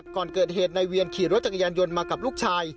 ก่อนเกิดเหตุนายเวียนขี่รถจักรยานยนต์มากับลูกชาย